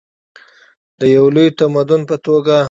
د یو لوی تمدن په توګه.